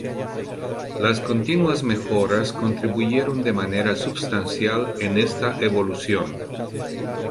Las continuas mejoras contribuyeron de manera substancial en esta evolución.